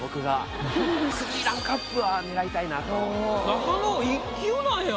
中野１級なんや。